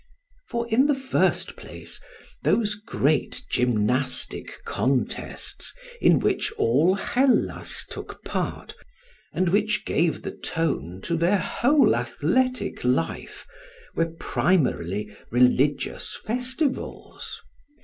For in the first place those great gymnastic contests in which all Hellas took part, and which gave the tone to their whole athletic life, were primarily religious festivals.